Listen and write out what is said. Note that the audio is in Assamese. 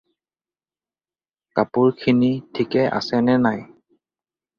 কাপোৰ খিনি ঠিকে আছে নে নাই?